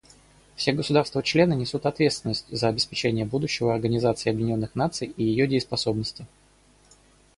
Все государства-члены несут ответственность за обеспечение будущего Организации Объединенных Наций и ее дееспособности.